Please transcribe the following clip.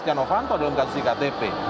tionghovanto dalam kasus iktp